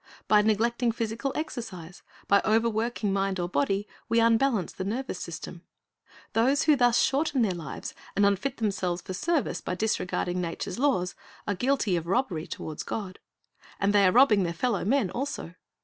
By neglecting physical exercise, by overworking mind or body, we unbalance the nervous system. Those who thus shorten their lives and unfit themselves for service by disregarding nature's laws, are guilty of robbery toward God. And they are robbing their fellow men also.